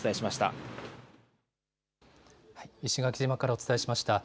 石垣島からお伝えしました。